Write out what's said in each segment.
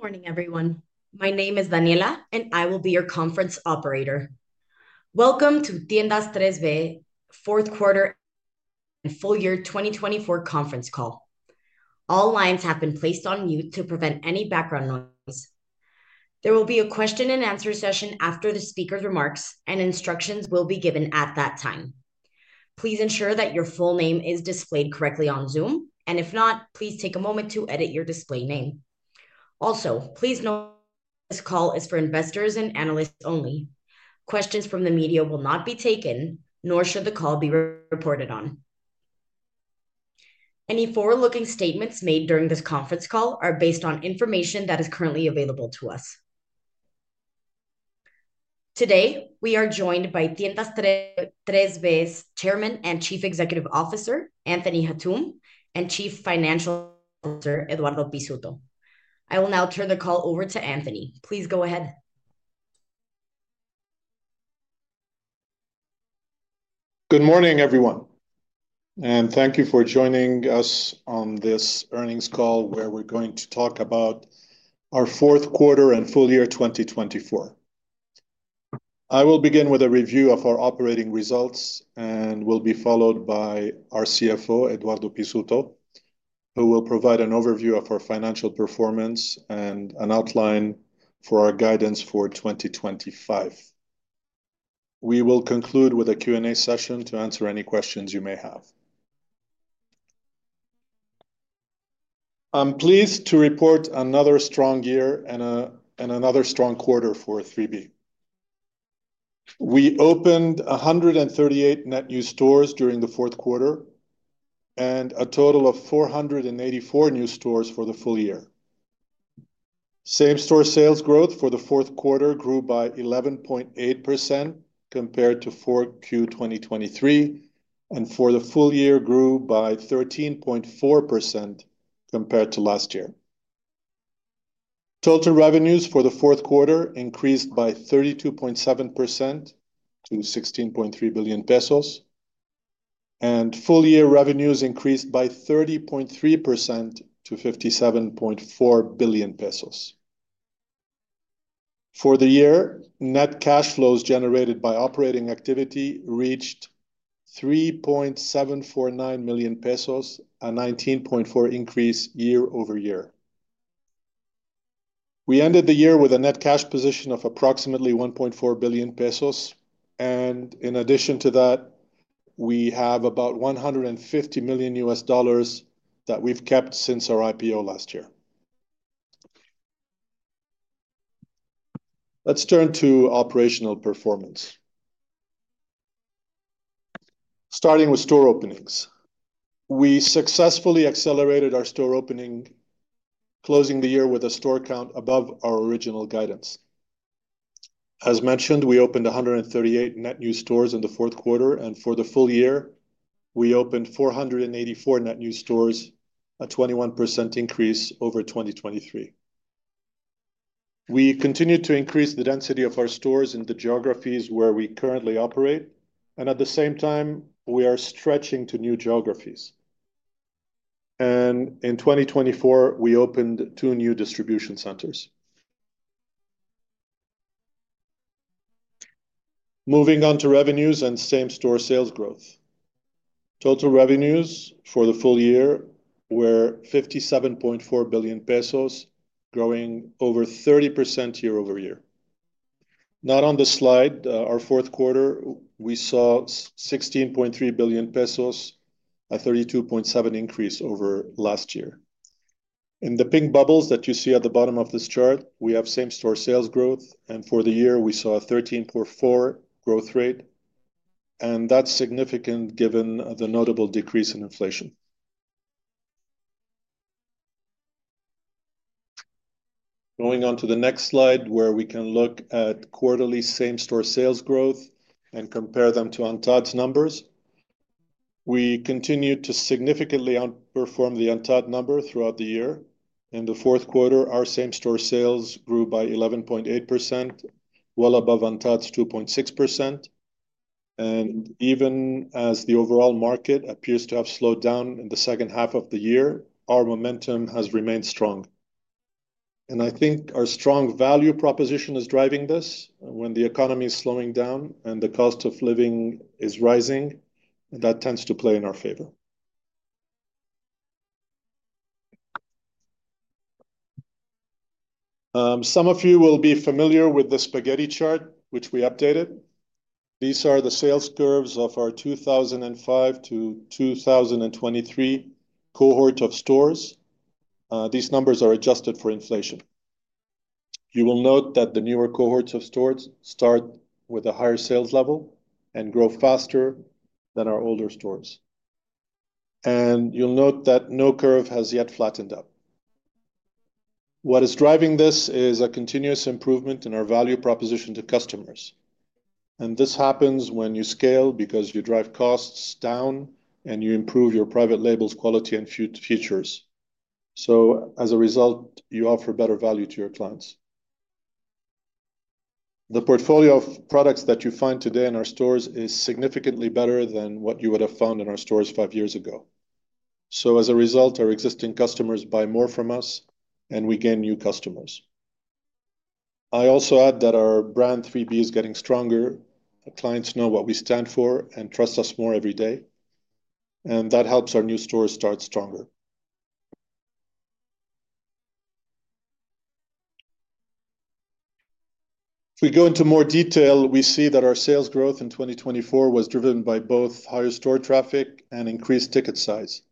Good morning, everyone. My name is Daniela, and I will be your conference operator. Welcome to Tiendas 3B, Q4 and Full Year 2024 Conference Call. All lines have been placed on mute to prevent any background noise. There will be a question-and-answer session after the speaker's remarks, and instructions will be given at that time. Please ensure that your full name is displayed correctly on Zoom, and if not, please take a moment to edit your display name. Also, please note this call is for investors and analysts only. Questions from the media will not be taken, nor should the call be reported on. Any forward-looking statements made during this conference call are based on information that is currently available to us. Today, we are joined by Tiendas 3B's Chairman and Chief Executive Officer, Anthony Hatoum, and Chief Financial Officer, Eduardo Pizzuto. I will now turn the call over to Anthony. Please go ahead. Good morning, everyone, and thank you for joining us on this earnings call where we're going to talk about our Q4 and full year 2024. I will begin with a review of our operating results, and will be followed by our CFO, Eduardo Pizzuto, who will provide an overview of our financial performance and an outline for our guidance for 2025. We will conclude with a Q&A session to answer any questions you may have. I'm pleased to report another strong year and another strong quarter for 3B. We opened 138 net new stores during the Q4 and a total of 484 new stores for the full year. Same-store sales growth for the Q4 grew by 11.8% compared to Q4 2023, and for the full year grew by 13.4% compared to last year. Total revenues for the Q4 increased by 32.7% to 16.3 billion pesos, and full year revenues increased by 30.3% to 57.4 billion pesos. For the year, net cash flows generated by operating activity reached 3.749 billion pesos, a 19.4% increase year over year. We ended the year with a net cash position of approximately 1.4 billion pesos, and in addition to that, we have about $150 million that we've kept since our IPO last year. Let's turn to operational performance. Starting with store openings, we successfully accelerated our store opening, closing the year with a store count above our original guidance. As mentioned, we opened 138 net new stores in the fourth quarter, and for the full year, we opened 484 net new stores, a 21% increase over 2023. We continue to increase the density of our stores in the geographies where we currently operate, and at the same time, we are stretching to new geographies. In 2024, we opened two new distribution centers. Moving on to revenues and same-store sales growth. Total revenues for the full year were 57.4 billion pesos, growing over 30% year over year. Not on the slide, our Q4, we saw 16.3 billion pesos, a 32.7% increase over last year. In the pink bubbles that you see at the bottom of this chart, we have same-store sales growth, and for the year, we saw a 13.4% growth rate, and that's significant given the notable decrease in inflation. Going on to the next slide, where we can look at quarterly same-store sales growth and compare them to ANTAD's numbers. We continue to significantly outperform the ANTAD number throughout the year. In the Q4, our same-store sales grew by 11.8%, well above ANTAD's 2.6%. Even as the overall market appears to have slowed down in the second half of the year, our momentum has remained strong. And I think our strong value proposition is driving this. When the economy is slowing down and the cost of living is rising, that tends to play in our favor. Some of you will be familiar with the spaghetti chart, which we updated. These are the sales curves of our 2005 to 2023 cohort of stores. These numbers are adjusted for inflation. You will note that the newer cohorts of stores start with a higher sales level and grow faster than our older stores. You will note that no curve has yet flattened up. What is driving this is a continuous improvement in our value proposition to customers. And this happens when you scale because you drive costs down and you improve your private label's quality and features. So as a result, you offer better value to your clients. The portfolio of products that you find today in our stores is significantly better than what you would have found in our stores five years ago. So as a result, our existing customers buy more from us, and we gain new customers. I also add that our brand 3B is getting stronger. Clients know what we stand for and trust us more every day, and that helps our new stores start stronger. If we go into more detail, we see that our sales growth in 2024 was driven by both higher store traffic and increased ticket size.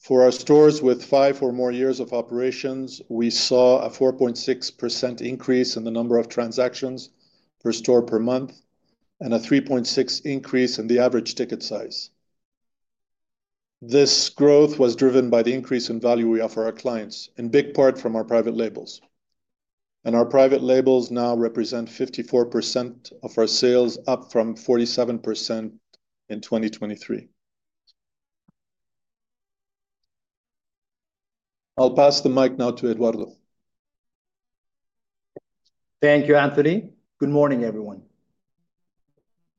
For our stores with five or more years of operations, we saw a 4.6% increase in the number of transactions per store per month and a 3.6% increase in the average ticket size. This growth was driven by the increase in value we offer our clients, in big part from our private labels. And our private labels now represent 54% of our sales, up from 47% in 2023. I'll pass the mic now to Eduardo. Thank you, Anthony. Good morning, everyone.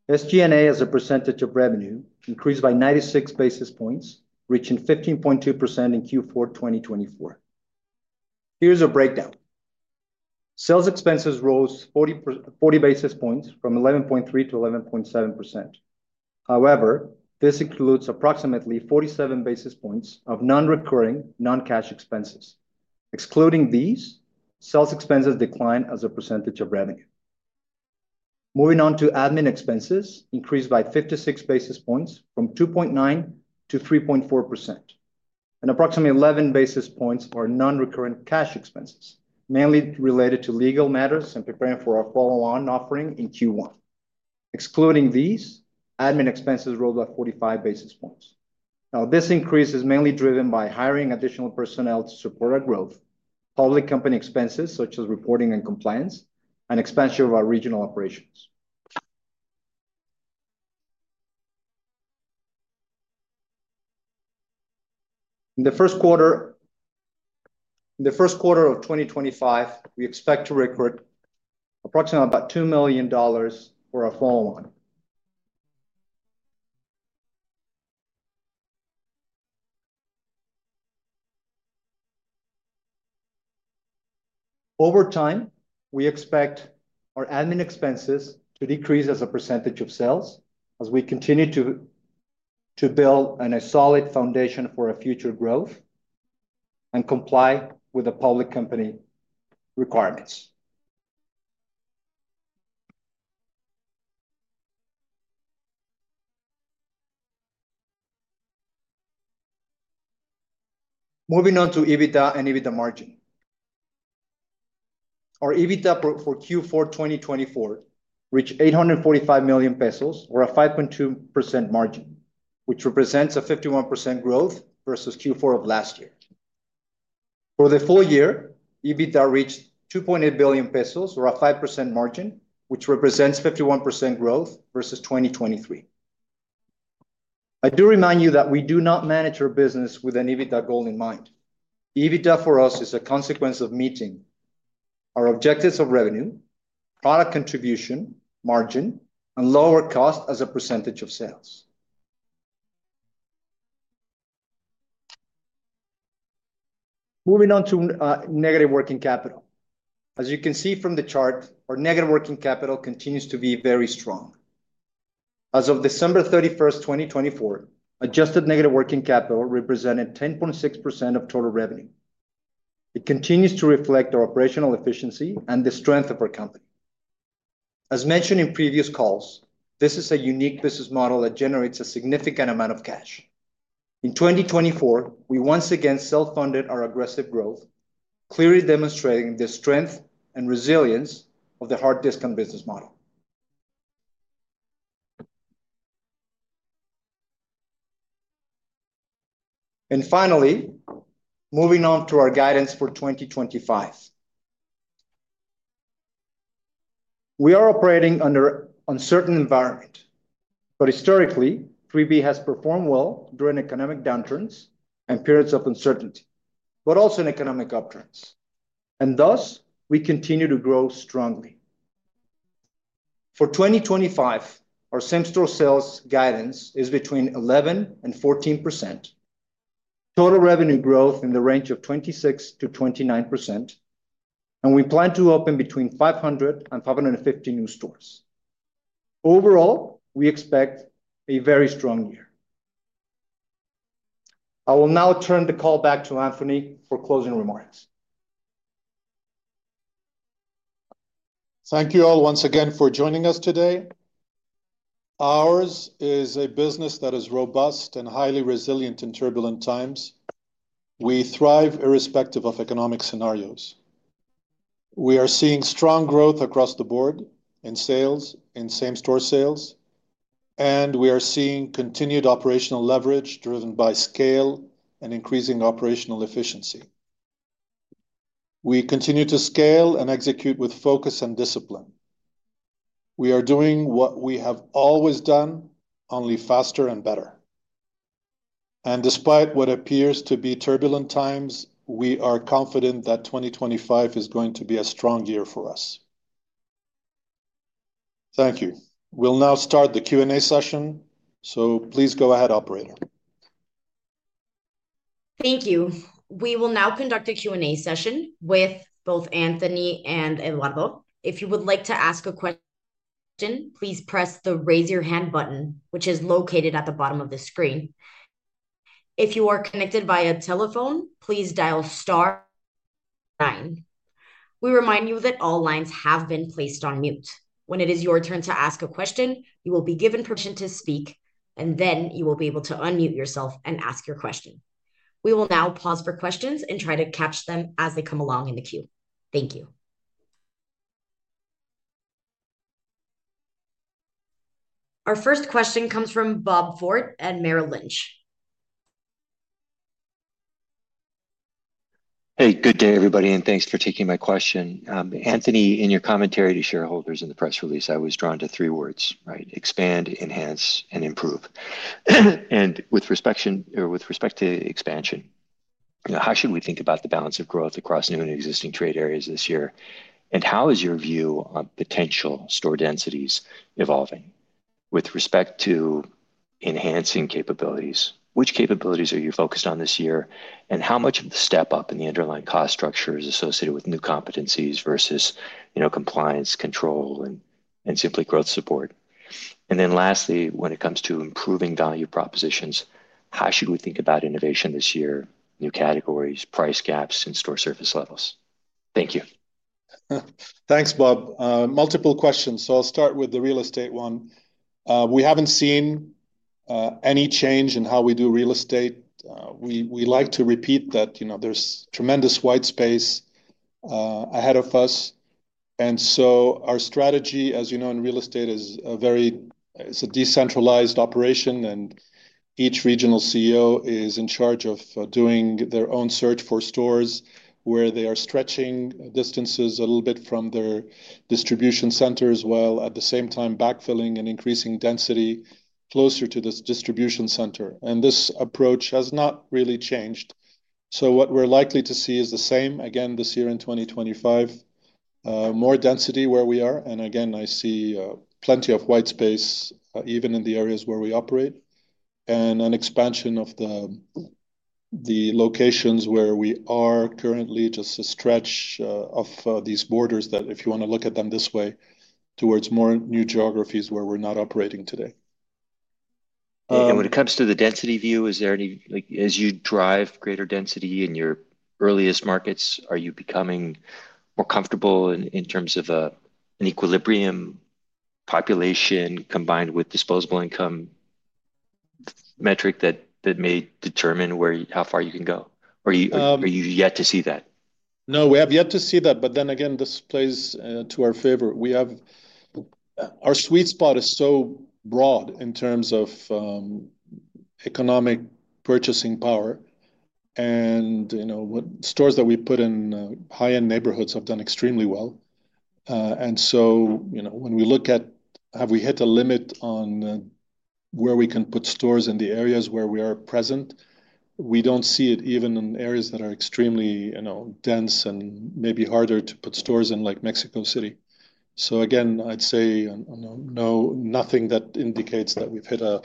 SG&A as a percentage of revenue increased by 96 basis points, reaching 15.2% in Q4 2024. Here's a breakdown. Sales expenses rose 40 basis points from 11.3%-11.7%. However, this includes approximately 47 basis points of non-recurring, non-cash expenses. Excluding these, sales expenses decline as a percentage of revenue. Moving on to admin expenses, increased by 56 basis points from 2.9%-3.4%. Approximately 11 basis points are non-recurring cash expenses, mainly related to legal matters and preparing for our follow-on offering in Q1. Excluding these, admin expenses rose by 45 basis points. Now, this increase is mainly driven by hiring additional personnel to support our growth, public company expenses such as reporting and compliance, and expansion of our regional operations. In the Q1 of 2025, we expect to record approximately about $2 million for our follow-on. Over time, we expect our admin expenses to decrease as a percentage of sales as we continue to build a solid foundation for our future growth and comply with the public company requirements. Moving on to EBITDA and EBITDA margin. Our EBITDA for Q4 2024 reached 845 million pesos, or a 5.2% margin, which represents a 51% growth versus Q4 of last year. For the full year, EBITDA reached 2.8 billion pesos, or a 5% margin, which represents 51% growth versus 2023. I do remind you that we do not manage our business with an EBITDA goal in mind. EBITDA for us is a consequence of meeting our objectives of revenue, product contribution, margin, and lower cost as a percentage of sales. Moving on to negative working capital. As you can see from the chart, our negative working capital continues to be very strong. As of December 31, 2024, adjusted negative working capital represented 10.6% of total revenue. It continues to reflect our operational efficiency and the strength of our company. As mentioned in previous calls, this is a unique business model that generates a significant amount of cash. In 2024, we once again self-funded our aggressive growth, clearly demonstrating the strength and resilience of the hard discount business model. And finally, moving on to our guidance for 2025. We are operating under an uncertain environment, but historically, 3B has performed well during economic downturns and periods of uncertainty, but also in economic upturns. And thus, we continue to grow strongly. For 2025, our same-store sales guidance is between 11% and 14%. Total revenue growth in the range of 26%-29%, and we plan to open between 500 and 550 new stores. Overall, we expect a very strong year. I will now turn the call back to Anthony for closing remarks. Thank you all once again for joining us today. Ours is a business that is robust and highly resilient in turbulent times. We thrive irrespective of economic scenarios. We are seeing strong growth across the board in sales, in same-store sales, and we are seeing continued operational leverage driven by scale and increasing operational efficiency. We continue to scale and execute with focus and discipline. We are doing what we have always done, only faster and better. And despite what appears to be turbulent times, we are confident that 2025 is going to be a strong year for us. Thank you. We'll now start the Q&A session, so please go ahead, Operator. Thank you. We will now conduct a Q&A session with both Anthony and Eduardo. If you would like to ask a question, please press the raise your hand button, which is located at the bottom of the screen. If you are connected via telephone, please dial star nine. We remind you that all lines have been placed on mute. When it is your turn to ask a question, you will be given permission to speak, and then you will be able to unmute yourself and ask your question. We will now pause for questions and try to catch them as they come along in the queue. Thank you. Our first question comes from Bob Firth at Merrill Lynch. Hey, good day, everybody, and thanks for taking my question. Anthony, in your commentary to shareholders in the press release, I was drawn to three words, right? Expand, enhance, and improve. And with respect to expansion, how should we think about the balance of growth across new and existing trade areas this year? And how is your view on potential store densities evolving with respect to enhancing capabilities? Which capabilities are you focused on this year, and how much of the step-up in the underlying cost structure is associated with new competencies versus you know compliance, control, and simply growth support? And then lastly, when it comes to improving value propositions, how should we think about innovation this year, new categories, price gaps, and store surface levels? Thank you. Thanks, Bob. Multiple questions. So I'll start with the real estate one. We haven't seen any change in how we do real estate. We we like to repeat that you know there's tremendous white space ahead of us. And so our strategy, as you know, in real estate is a very decentralized operation, and each regional CEO is in charge of doing their own search for stores where they are stretching distances a little bit from their distribution center as well, at the same time backfilling and increasing density closer to the distribution center. And this approach has not really changed. So what we're likely to see is the same again this year in 2025, more density where we are. And again I see plenty of white space, even in the areas where we operate, and an expansion of the the locations where we are currently, just a stretch of these borders that, if you want to look at them this way, towards more new geographies where we're not operating today. When it comes to the density view, is there any, as you drive greater density in your earliest markets, are you becoming more comfortable in terms of an equilibrium population combined with disposable income metric that that may determine how far you can go? Or are you yet to see that? No, we have yet to see that. But then this plays to our favor. Our sweet spot is so broad in terms of economic purchasing power. And you know stores that we put in high-end neighborhoods have done extremely well. And so you know when we look at have we had to limit on where we can put stores in the areas where we are present, we do not see it even in areas that are extremely dense and maybe harder to put stores in, like Mexico City. So again I'd say nothing that indicates that we have hit a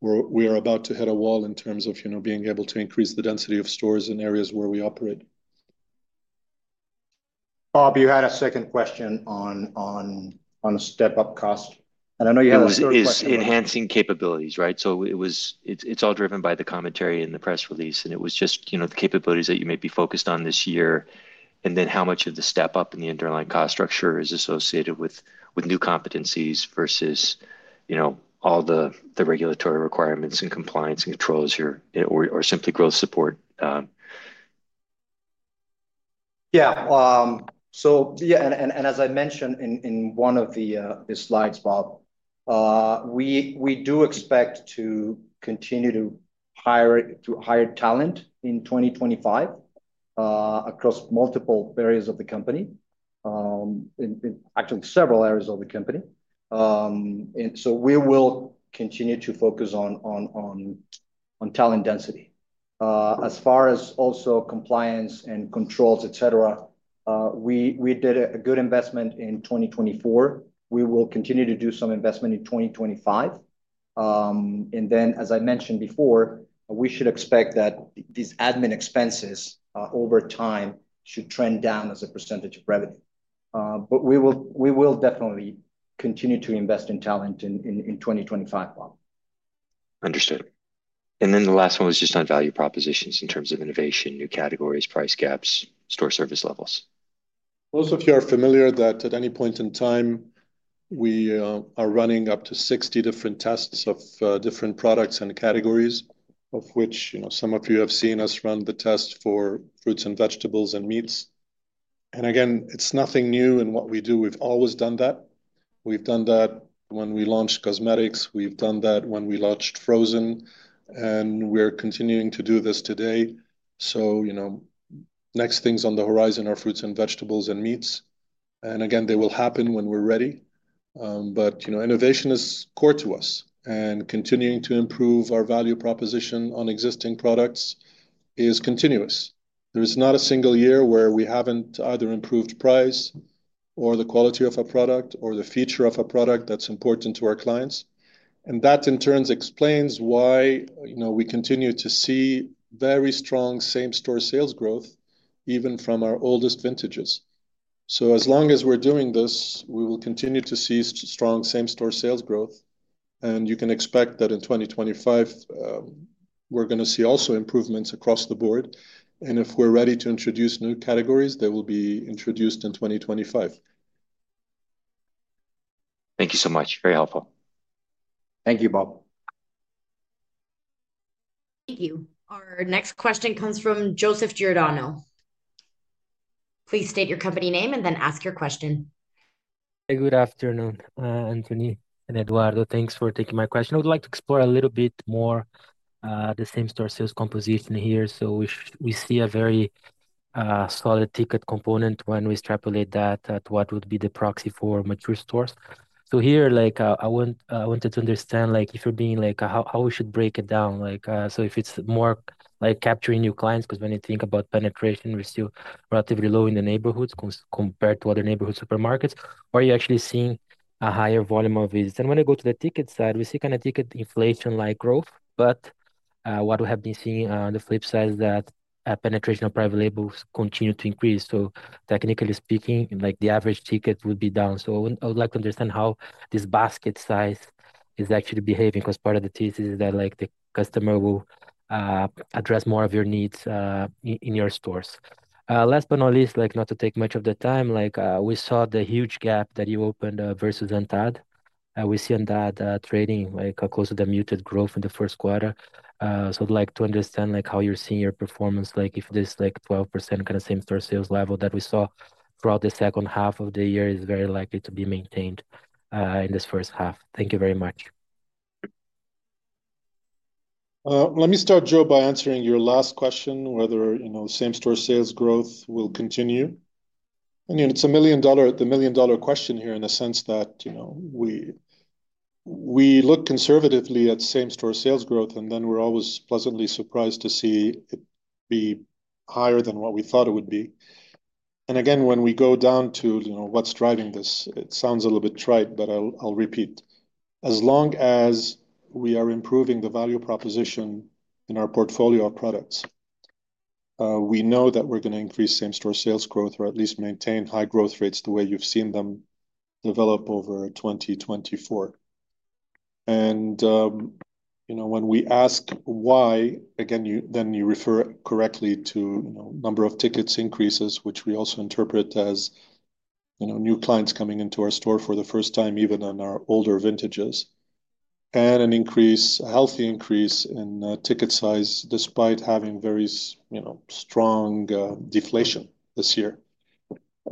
or we are about to hit a wall in terms of you know being able to increase the density of stores in areas where we operate. Bob, you had a second question on on on step-up cost. I know you have a question. Is enhancing capabilities, right? So it was it's all driven by the commentary in the press release. And it was just the capabilities that you may be focused on this year, and then how much of the step-up in the underlying cost structure is associated with new competencies versus you know all the regulatory requirements and compliance and controls or simply growth support. Yeah. So yeah, and as I mentioned in one of the slides, Bob, we we do expect to continue to hire talent in 2025 across multiple areas of the company, actually several areas of the company. And so we will continue to focus on talent density. As far as also compliance and controls, etc., we did a good investment in 2024. We will continue to do some investment in 2025. And then as I mentioned before, we should expect that these admin expenses over time should trend down as a percentage of revenue. But we will we will definitely continue to invest in talent in 2025, Bob. Understood. And then the last one was just on value propositions in terms of innovation, new categories, price gaps, store service levels. Most of you are familiar that at any point in time, we are running up to 60 different tests of different products and categories, of which you know some of you have seen us run the test for fruits and vegetables and meats. And again It's nothing new in what we do. We have always done that. We have done that when we launched cosmetics. We have done that when we launched frozen. And we are continuing to do this today. So you know next things on the horizon are fruits and vegetables and meats. And again they will happen when we are ready. But you know innovation is core to us. And continuing to improve our value proposition on existing products is continuous. There is not a single year where we have'nt either improved price or the quality of a product or the feature of a product that's important to our clients. That, in turn, explains why we continue to see very strong same-store sales growth, even from our oldest vintages. So as long as we're doing this, we will continue to see strong same-store sales growth. And you can expect that in 2025, we're going to see also improvements across the board. And if we're ready to introduce new categories, they will be introduced in 2025. Thank you so much. Very helpful. Thank you, Bob. Thank you. Our next question comes from Joseph Giordano. Please state your company name and then ask your question. Good afternoon, Anthony and Eduardo. Thanks for taking my question. I would like to explore a little bit more the same-store sales composition here. We see a very solid ticket component when we extrapolate that to what would be the proxy for mature stores. So here, I wanted to understand if you're being how we should break it down. Like so if it's more capturing new clients, because when you think about penetration, we're still relatively low in the neighborhoods compared to other neighborhood supermarkets, or are you actually seeing a higher volume of visits? When I go to the ticket side, we see kind of ticket inflation-like growth. But what we have been seeing on the flip side is that penetration of private labels continue to increase. So technically speaking, the average ticket would be down. So I would like to understand how this basket size is actually behaving, because part of the thesis is that the customer will address more of your needs in your stores. Last but not least, not to take much of the time, like we saw the huge gap that you opened versus ANTAD. And we see ANTAD trading close to the muted growth in the Q1. So would like to understand like how you're seeing your performance. Like If this like 12% kind of same-store sales level that we saw throughout the second half of the year is very likely to be maintained in this first half. Thank you very much. Well let me start, Joe, by answering your last question, whether same-store sales growth will continue. It is the million-dollar question here in the sense that we look conservatively at same-store sales growth, and then we are always pleasantly surprised to see it be higher than what we thought it would be. And again when we go down to what is driving this, it sounds a little bit trite, but I will repeat. As long as we are improving the value proposition in our portfolio of products, we know that we are going to increase same-store sales growth or at least maintain high growth rates the way you have seen them develop over 2024. And you know when we ask why, again, you refer correctly to number of tickets increases, which we also interpret as new clients coming into our store for the first time, even on our older vintages, and an increase a healthy increase in ticket size despite having very you know strong deflation this year.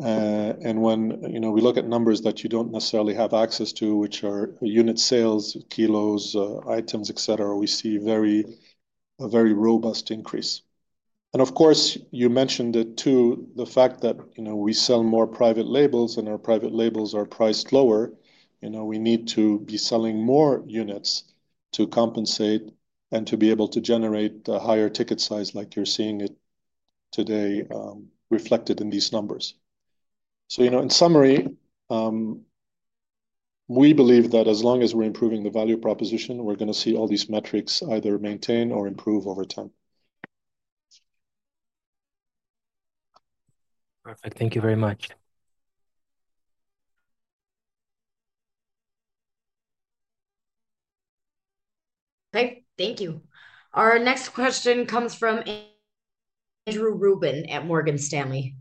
And when you know we look at numbers that you do not necessarily have access to, which are unit sales, kilos, items, etc., we see a very very robust increase. And of course, you mentioned it too, the fact that we sell more private labels and our private labels are priced lower. And now we need to be selling more units to compensate and to be able to generate a higher ticket size, like you are seeing it today reflected in these numbers. So you know in summary, we believe that as long as we're improving the value proposition, we're going to see all these metrics either maintain or improve over time. Perfect. Thank you very much. Okay. Thank you. Our next question comes from Andrew Ruben at Morgan Stanley.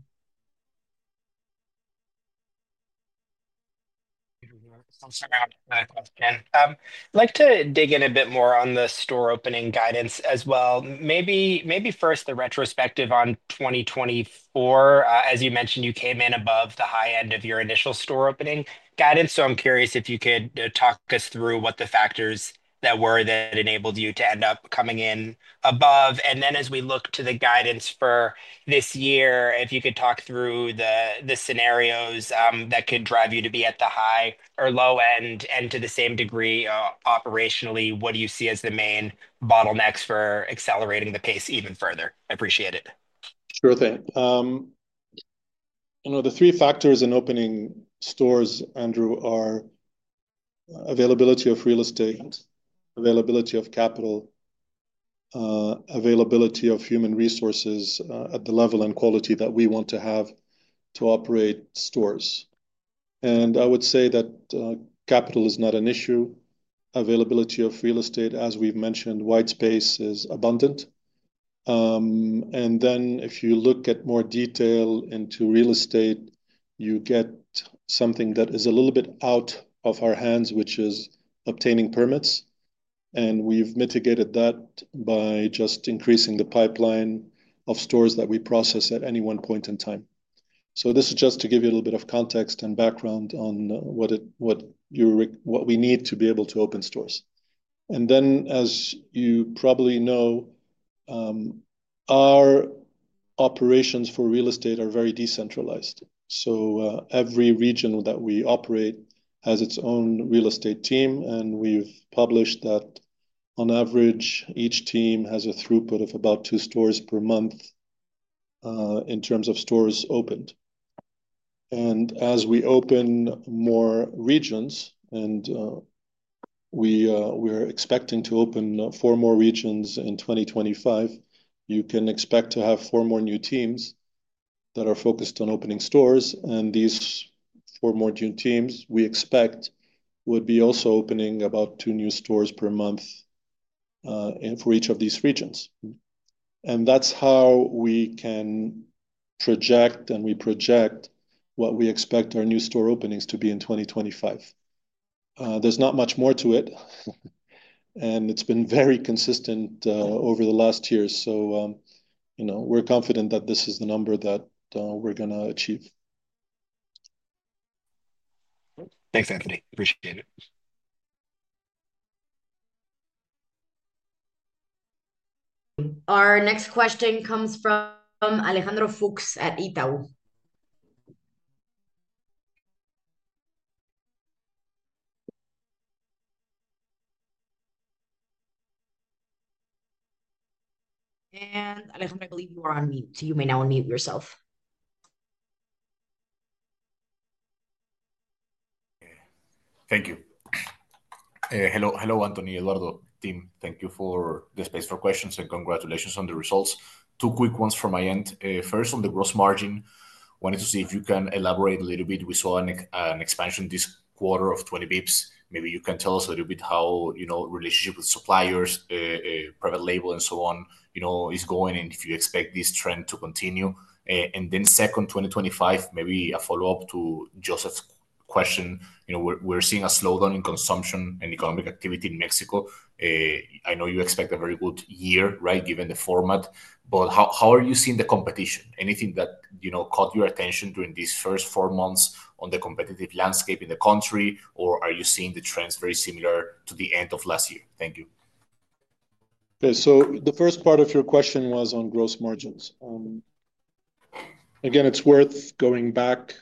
Thank you very much. I'd like to dig in a bit more on the store opening guidance as well. Maybe maybe first, the retrospective on 2024. As you mentioned, you came in above the high end of your initial store opening guidance. So I am curious if you could talk us through what the factors that were that enabled you to end up coming in above. And then as we look to the guidance for this year, if you could talk through the scenarios that could drive you to be at the high or low end, and to the same degree, operationally, what do you see as the main bottlenecks for accelerating the pace even further? Appreciate it. Sure thing. The three factors in opening stores, Andrew, are availability of real estate, availability of capital, availability of human resources at the level and quality that we want to have to operate stores. And I would say that capital is not an issue. Availability of real estate, as we've mentioned, white space is abundant. And then if you look at more detail into real estate, you get something that is a little bit out of our hands, which is obtaining permits. And we've mitigated that by just increasing the pipeline of stores that we process at any one point in time. So this is just to give you a little bit of context and background on what we need to be able to open stores. And then as you probably know, our operations for real estate are very decentralized. So every region that we operate has its own real estate team. And we have published that on average, each team has a throughput of about two stores per month in terms of stores opened. And as we open more regions, and we are expecting to open four more regions in 2025, you can expect to have four more new teams that are focused on opening stores. And these four more new teams, we expect, would also be opening about two new stores per month in reach of these regions. And that's how we can project, and we project what we expect our new store openings to be in 2025. There is not much more to it. And It's been very consistent over the last year. We are confident that this is the number that we are going to achieve. Thanks, Anthony. Appreciate it. Our next question comes from Alejandro Fuchs at Itaú. Alejandro, I believe you are on mute. You may now unmute yourself. Thank you. Hello, Anthony, Eduardo, team. Thank you for the space for questions and congratulations on the results. Two quick ones from my end. First, on the gross margin, wanted to see if you can elaborate a little bit. We saw an expansion this quarter of 20 bps. Maybe you can tell us a little bit how you know relationship with suppliers, private label, and so on you know is going, and if you expect this trend to continue. And then second, 2025, maybe a follow-up to Joseph's question. We're seeing a slowdown in consumption and economic activity in Mexico. I know you expect a very good year, right, given the format. But how are you seeing the competition? Anything that you know caught your attention during these first four months on the competitive landscape in the country, or are you seeing the trends very similar to the end of last year? Thank you. So, the first part of your question was on gross margins. And again, it's worth going back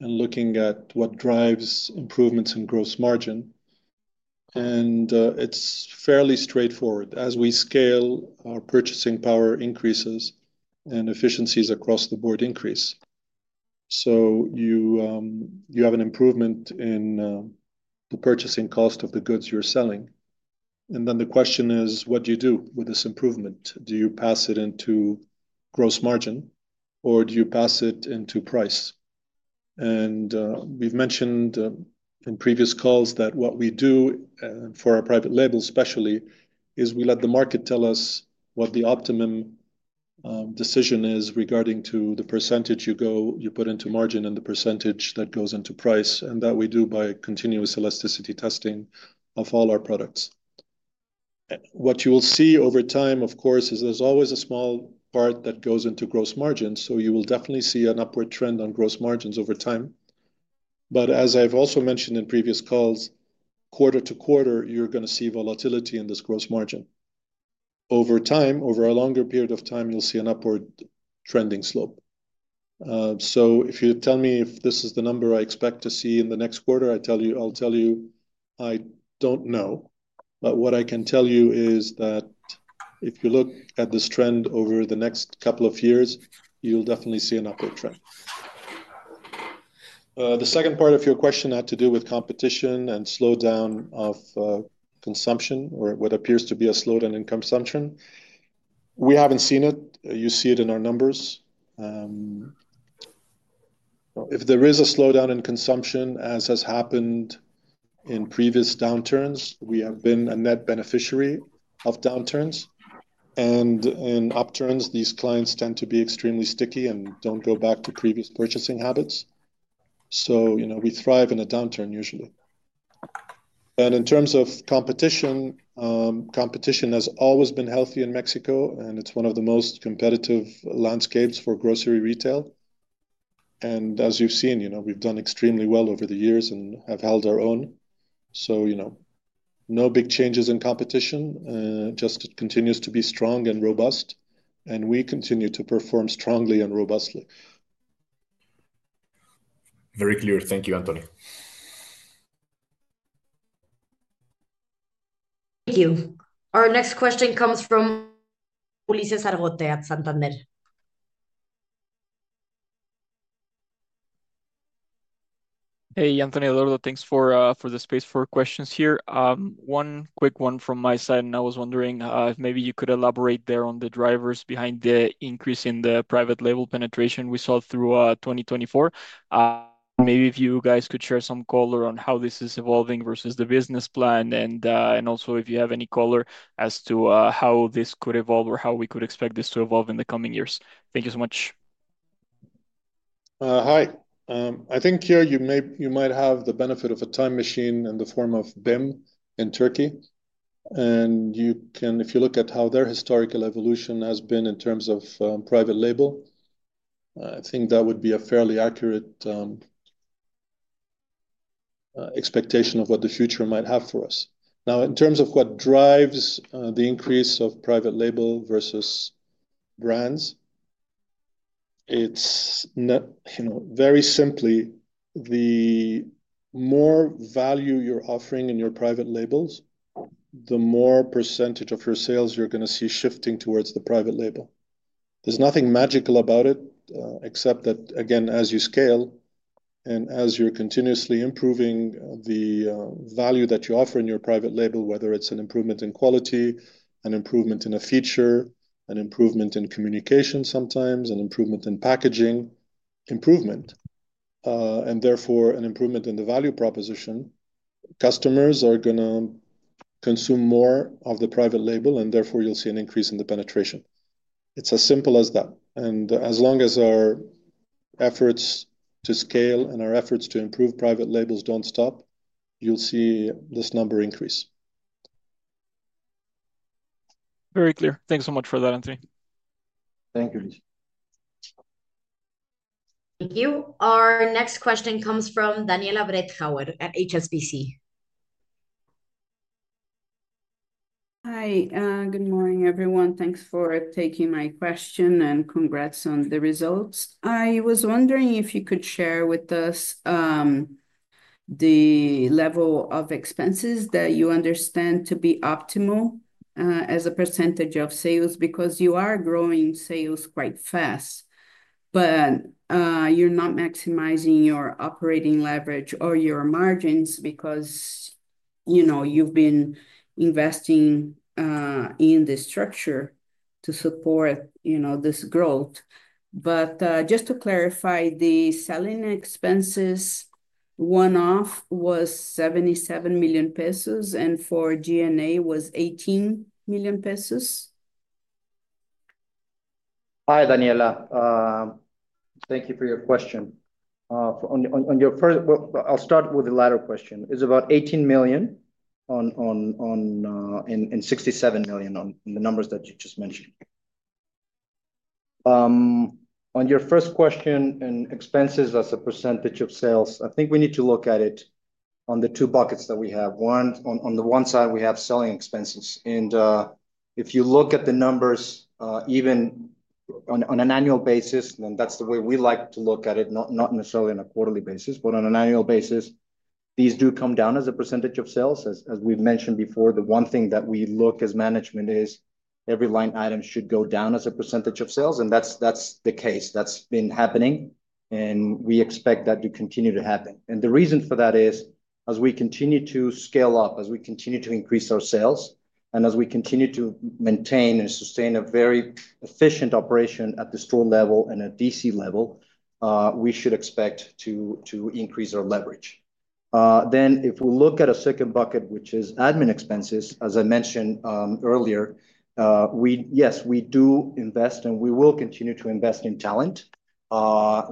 and looking at what drives improvements in gross margin. And it's fairly straightforward. As we scale, our purchasing power increases, and efficiencies across the board increase. So you have an improvement in the purchasing cost of the goods you're selling. And then the question is, what do you do with this improvement? Do you pass it into gross margin, or do you pass it into price? And we've mentioned in previous calls that what we do for our private label, especially, is we let the market tell us what the optimum decision is regarding to the percentage you go you put into margin and the percentage that goes into price. And that we do that by continuous elasticity testing of all our products. What you will see over time, of course, is there's always a small part that goes into gross margin. So you will definitely see an upward trend on gross margins over time. But as I've also mentioned in previous calls, quarter to quarter, you're going to see volatility in this gross margin. Over time, over a longer period of time, you'll see an upward trending slope. So If you tell me if this is the number I expect to see in the next quarter, I'll tell you, I don't know. But what I can tell you is that if you look at this trend over the next couple of years, you'll definitely see an upward trend. The second part of your question had to do with competition and slowdown of consumption or what appears to be a slowdown in consumption. We haven't seen it. You see it in our numbers. If there is a slowdown in consumption, as has happened in previous downturns, we have been a net beneficiary of downturns. And in upturns, these clients tend to be extremely sticky and do not go back to previous purchasing habits. So you know we thrive in a downturn, usually. And in terms of competition, competition has always been healthy in Mexico, and it is one of the most competitive landscapes for grocery retail. And as you have seen, we have done extremely well over the years and have held our own. No big changes in competition. Just it continues to be strong and robust, and we continue to perform strongly and robustly. Very clear. Thank you, Anthony. Thank you. Our next question comes from Ulises Argote at Santander. Hey, Anthony, Eduardo, thanks for the space for questions here. One quick one from my side. And I was wondering if maybe you could elaborate there on the drivers behind the increase in the private label penetration we saw through 2024. Maybe if you guys could share some color on how this is evolving versus the business plan, and also if you have any color as to how this could evolve or how we could expect this to evolve in the coming years. Thank you so much. Hi. I think here you may you might have the benefit of a time machine in the form of BIM in Turkey. And if you look at how their historical evolution has been in terms of private label, I think that would be a fairly accurate expectation of what the future might have for us. Now, in terms of what drives the increase of private label versus brands, it's very simply the more value you're offering in your private labels, the more percentage of your sales you're going to see shifting towards the private label. There's nothing magical about it, except that, again, as you scale and as you're continuously improving the value that you offer in your private label, whether it's an improvement in quality, an improvement in a feature, an improvement in communication sometimes, an improvement in packaging improvement, and therefore an improvement in the value proposition, customers are gonna consume more of the private label, and therefore you'll see an increase in the penetration. It's as simple as that. And as long as our efforts to scale and our efforts to improve private labels don't stop, you'll see this number increase. Very clear. Thanks so much for that, Anthony. Thank you, Ulises. Thank you. Our next question comes from Daniela Bretthauer at HSBC. Hi. Good morning, everyone. Thanks for taking my question and congrats on the results. I was wondering if you could share with us the level of expenses that you understand to be optimal as a percentage of sales because you are growing sales quite fast, but you're not maximizing your operating leverage or your margins because you know you've been investing in the structure to support you know this growth. But just to clarify, the selling expenses one-off was 77 million pesos, and for G&A was 18 million pesos. Hi, Daniela. Thank you for your question. On your, I'll start with the latter question. It's about 18 million on on on and 67 million on the numbers that you just mentioned. On your first question, an expenses as a percentage of sales, I think we need to look at it on the two buckets that we have. One on the one side, we have selling expenses. And if you look at the numbers, even on an annual basis, and that's the way we like to look at it, not necessarily on a quarterly basis, but on an annual basis, these do come down as a percentage of sales. As we've mentioned before, the one thing that we look as management is every line item should go down as a percentage of sales. And that's that's the case. That's been happening. And we expect that to continue to happen. And the reason for that is, as we continue to scale up, as we continue to increase our sales, and as we continue to maintain and sustain a very efficient operation at the store level and at DC level, we should expect to to increase our leverage. Then if we look at a second bucket, which is admin expenses, as I mentioned earlier, yes, we do invest, and we will continue to invest in talent.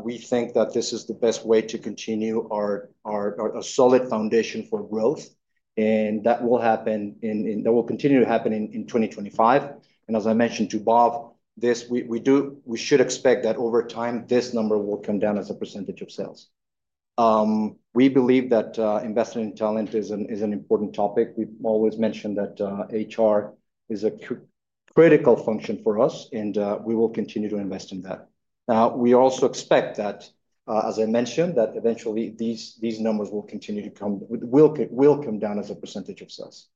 We think that this is the best way to continue our our solid foundation for growth. And that will happen, and that will continue to happen in 2025. And as I mentioned to Bob, we should expect that over time, this number will come down as a percentage of sales. We believe that investing in talent is an important topic. We've always mentioned that HR is a critical function for us, and we will continue to invest in that. Now, we also expect that, as I mentioned, that eventually these numbers will continue to come, will will come down as a percentage of sales.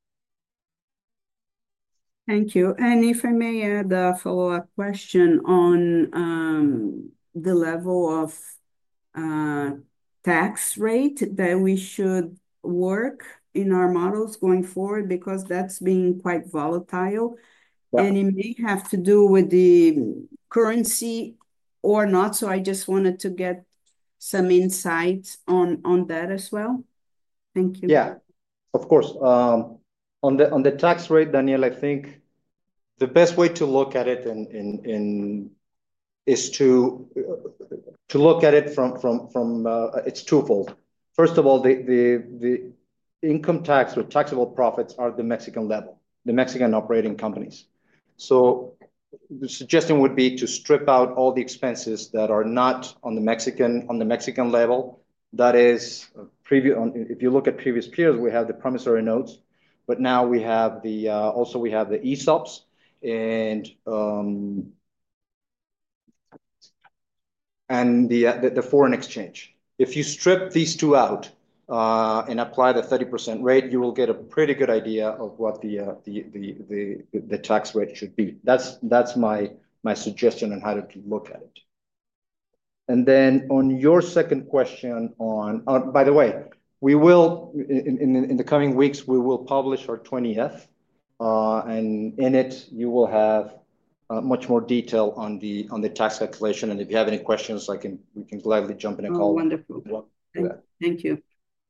Thank you. And if I may add a follow-up question on the level of tax rate that we should work in our models going forward because that has been quite volatile. And it may have to do with the currency or not. So I just wanted to get some insight on that as well. Thank you. Yeah, of course. On the on the tax rate, Daniela, I think the best way to look at it in in in is to to look at it from its twofold. First of all, the the income tax or taxable profits are at the Mexican level, the Mexican operating companies. So the suggestion would be to strip out all the expenses that are not on the Mexican level. That is, if you look at previous peers, we have the promissory notes, but now we have the also we have the ESOPs and and the foreign exchange. If you strip these two out and apply the 30% rate, you will get a pretty good idea of what the tax rate should be. That's my suggestion on how to look at it. And then on your second question, by the way, in the coming weeks, we will publish our 2024. In it, you will have much more detail on the tax declaration. And if you have any questions, I can we can gladly jump in and call. Oh, wonderful. Thank you.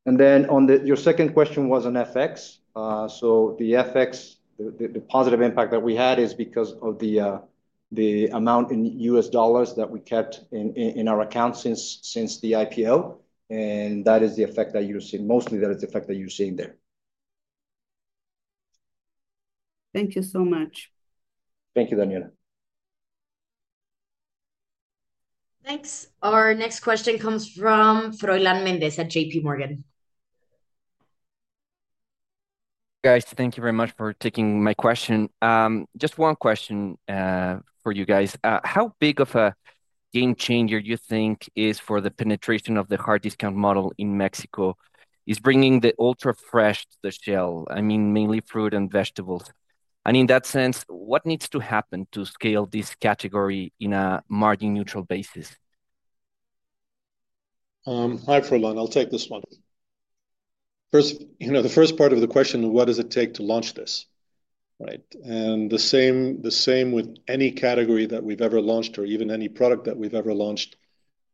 And then on your second question, it was on FX. The FX, the positive impact that we had is because of the amount in US dollars that we kept in our accounts since the IPO. And that is the effect that you're seeing. Mostly, that is the effect that you're seeing there. Thank you so much. Thank you, Daniela. Thanks. Our next question comes from Froylan Mendez at JPMorgan. Guys, thank you very much for taking my question. Just one question for you guys. How big of a game changer do you think is for the penetration of the hard discount model in Mexico? It's bringing the ultra fresh to the shelf, I mean, mainly fruit and vegetables. I mean that sense, what needs to happen to scale this category in a margin-neutral basis? Hi, Froylan. I'll take this one. The first you know the first part of the question, what does it take to launch this? The same with any category that we've ever launched or even any product that we've ever launched,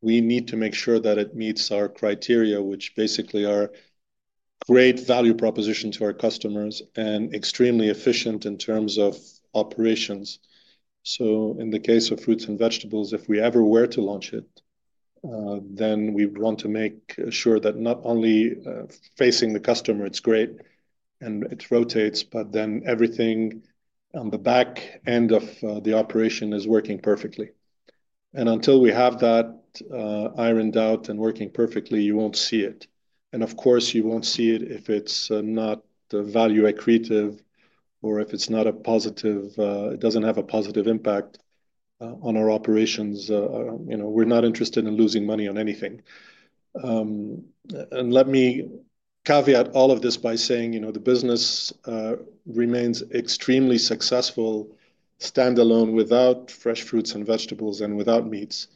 we need to make sure that it meets our criteria, which basically are great value proposition to our customers and extremely efficient in terms of operations. In the case of fruits and vegetables, if we ever were to launch it, we want to make sure that not only facing the customer, it's great and it rotates, but then everything on the back end of the operation is working perfectly. Until we have that ironed out and working perfectly, you won't see it. And of course, you won't see it if it's not value accretive or if it's not a positive it doesn't have a positive impact on our operations. You know we're not interested in losing money on anything. Let me caveat all of this by saying the business remains extremely successful standalone without fresh fruits and vegetables and without meats.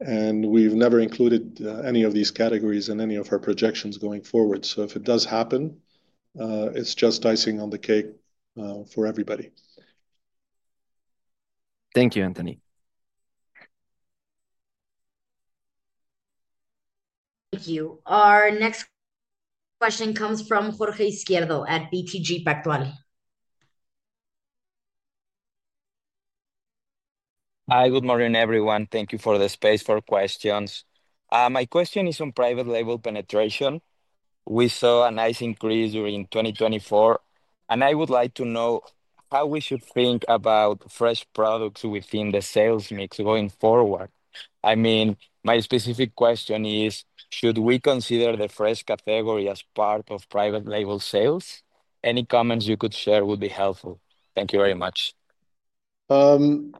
And we've never included any of these categories in any of our projections going forward. So if it does happen, it's just icing on the cake for everybody. Thank you, Anthony. Thank you. Our next question comes from Jorge Izquierdo at BTG Pactual. Hi, good morning, everyone. Thank you for the space for questions. My question is on private label penetration. We saw a nice increase during 2024. I would like to know how we should think about fresh products within the sales mix going forward. I mean, my specific question is, should we consider the fresh category as part of private label sales? Any comments you could share would be helpful. Thank you very much. Again,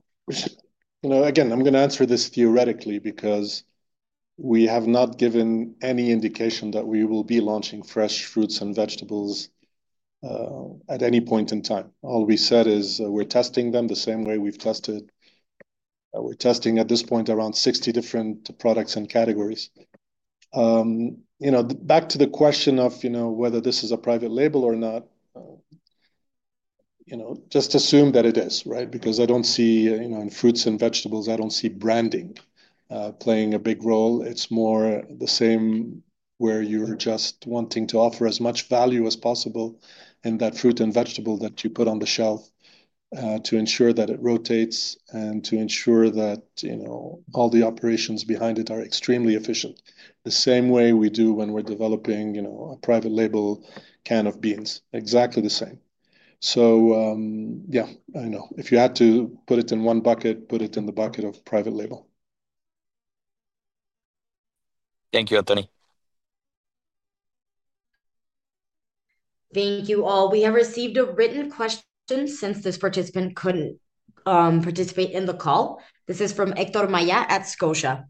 I'm going to answer this theoretically because we have not given any indication that we will be launching fresh fruits and vegetables at any point in time. All we said is we're testing them the same way we've tested. We're testing at this point around 60 different products and categories. You know back to the question of you know whether this is a private label or not, you know just assume that it is, right? Because I don't see in fruits and vegetables, I don't see branding playing a big role. It's more the same where you're just wanting to offer as much value as possible in that fruit and vegetable that you put on the shelf to ensure that it rotates and to ensure that you know all the operations behind it are extremely efficient. The same way we do when we're developing you know a private label can of beans, exactly the same. So yeah, I know. If you had to put it in one bucket, put it in the bucket of private label. Thank you, Anthony. Thank you all. We have received a written question since this participant could'nt participate in the call. This is from Héctor Maya at Scotia.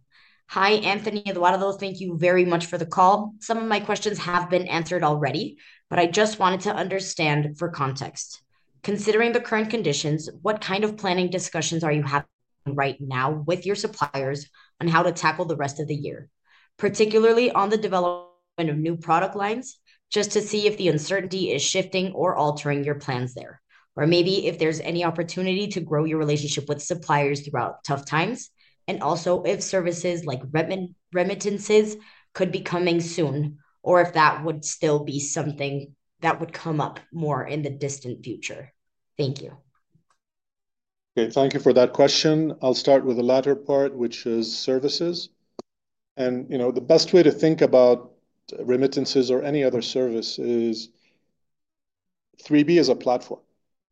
Hi, Anthony, Eduardo. Thank you very much for the call. Some of my questions have been answered already, but I just wanted to understand for context. Considering the current conditions, what kind of planning discussions are you having right now with your suppliers on how to tackle the rest of the year, particularly on the development of new product lines, just to see if the uncertainty is shifting or altering your plans there, or maybe if there is any opportunity to grow your relationship with suppliers throughout tough times, and also if services like remittances could be coming soon, or if that would still be something that would come up more in the distant future. Thank you. Okay. Thank you for that question. I'll start with the latter part, which is services. And you know the best way to think about remittances or any other service is 3B as a platform.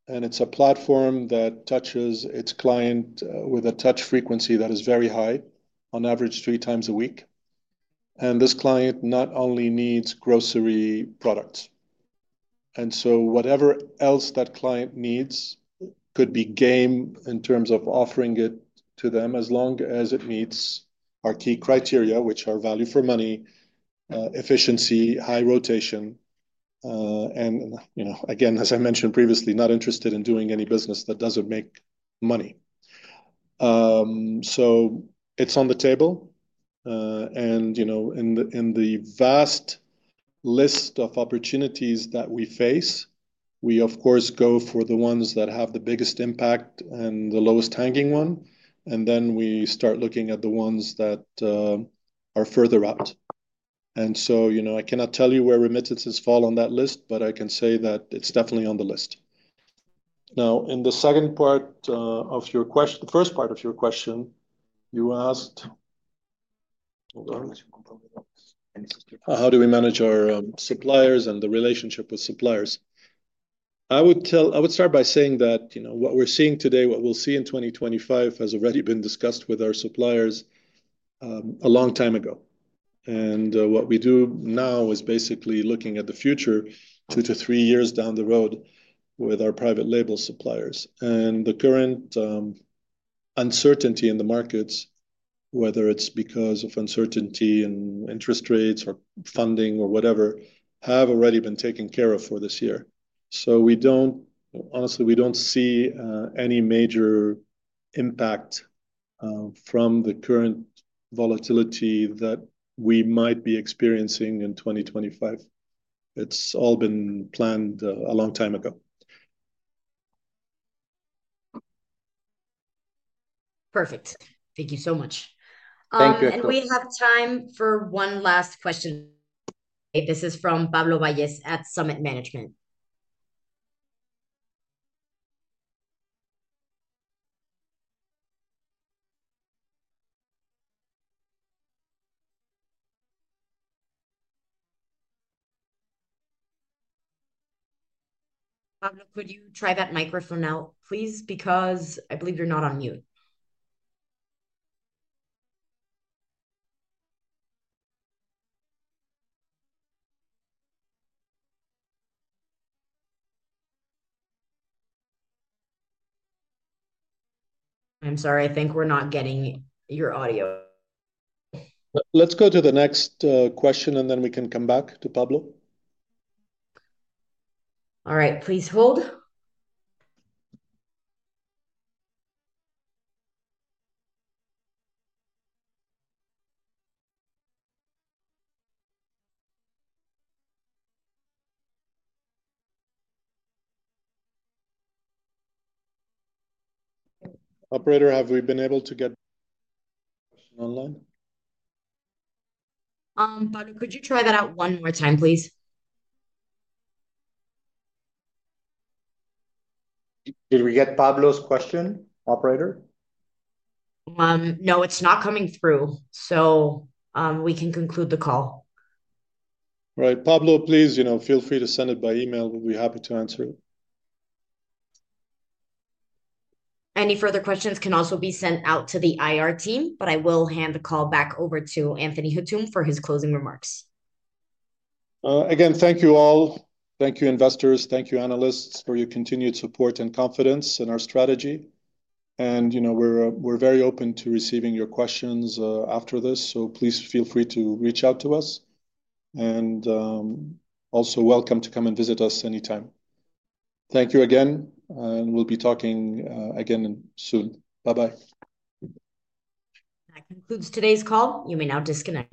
And it's a platform that touches its client with a touch frequency that is very high, on average, three times a week. And this client not only needs grocery products. And so whatever else that client needs could be game in terms of offering it to them as long as it meets our key criteria, which are value for money, efficiency, high rotation, and you know again, as I mentioned previously, not interested in doing any business that doesn't make money. So it's on the table. And you know in the vast list of opportunities that we face, we, of course, go for the ones that have the biggest impact and the lowest hanging one. And then we start looking at the ones that are further out. I cannot tell you where remittances fall on that list, but I can say that it's definitely on the list. Now, in the second part of your question, the first part of your question, you asked, hold on, how do we manage our suppliers and the relationship with suppliers? I would tell I would start by saying that you know what we're seeing today, what we'll see in 2025, has already been discussed with our suppliers a long time ago. And what we do now is basically looking at the future two to three years down the road with our private label suppliers. And the current uncertainty in the markets, whether it's because of uncertainty in interest rates or funding or whatever, have already been taken care of for this year. So we don't honestly, we do not see any major impact from the current volatility that we might be experiencing in 2025. It's all been planned a long time ago. Perfect. Thank you so much. Thank you. And we have time for one last question. This is from Pablo Valles at Summit Management. Pablo, could you try that microphone out, please because I believe you're not on mute. I'm sorry. I think we're not getting your audio. Let's go to the next question, and then we can come back to Pablo. All right. Please hold. Operator, have we been able to get online? Pablo, could you try that out one more time, please? Did we get Pablo's question, operator? No, it's not coming through. So we can conclude the call. All right. Pablo, please you know feel free to send it by email. We'll be happy to answer you. Any further questions can also be sent out to the IR team, but I will hand the call back over to Anthony Hatoum for his closing remarks. Again thank you all. Thank you, investors. Thank you, analysts, for your continued support and confidence in our strategy. And you know we are very open to receiving your questions after this. So please feel free to reach out to us. And also welcome to come and visit us anytime. Thank you again. And we'll be talking again soon. Bye-bye. That concludes today's call. You may now disconnect.